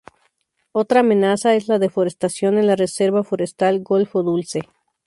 Otra amenaza es la deforestación en la reserva forestal Golfo Dulce.